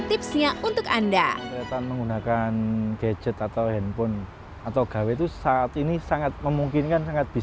tipsnya untuk anda menggunakan gadget atau handphone atau gawe itu saat ini sangat memungkinkan